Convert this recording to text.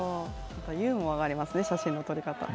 ユーモアがありますね、写真の撮り方に。